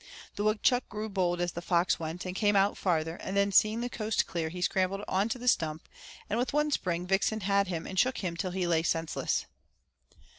The woodchuck grew bold as the fox went, and came out farther, and then seeing the coast clear, he scrambled onto the stump, and with one spring Vixen had him and shook him till he lay senseless.